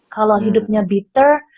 kalau hidupnya bitter